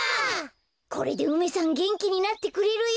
これで梅さんげんきになってくれるよ！